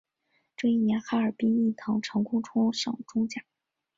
这一年哈尔滨毅腾成功冲上中甲。